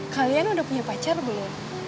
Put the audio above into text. kalian udah punya pacar belum